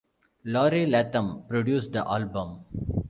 Laurie Latham produced the album.